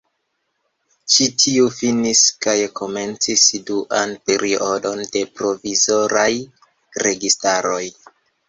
Ĉi tiu finis kaj komencis duan periodon de provizoraj registaroj.